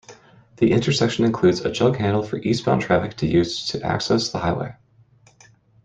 The intersection includes a jughandle for eastbound traffic to use to access the highway.